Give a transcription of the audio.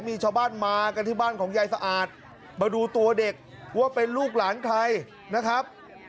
มีชาวบ้านมากันที่บ้านของยายสะอาดมาดูตัวเด็กว่าเป็นลูกหลานใครนะครับ